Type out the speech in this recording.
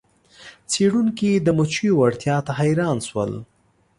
څیړونکي د مچیو وړتیا ته حیران شول.